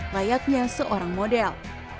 layaknya seorang model